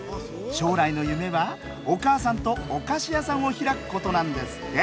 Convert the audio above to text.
将来の夢は、お母さんとお菓子屋さんを開くことなんですって。